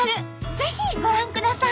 ぜひご覧ください。